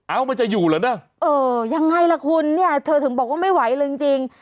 มันจะอยู่เหรอนะเออยังไงล่ะคุณเนี่ยเธอถึงบอกว่าไม่ไหวเลยจริงจริง